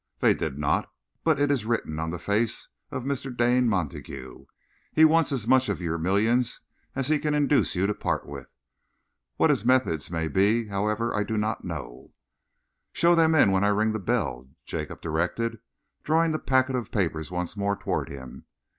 "They did not, but it is written in the face of Mr. Dane Montague. He wants as much of your million as he can induce you to part with. What his methods may be, however, I don't know." "Show them in when I ring the bell," Jacob directed, drawing the packet of papers once more towards him.